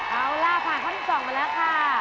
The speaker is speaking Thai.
เอาล่ะผ่านข้อที่๒มาแล้วค่ะ